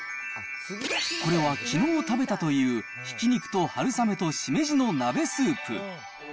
これはきのう食べたという、ひき肉と春雨としめじの鍋スープ。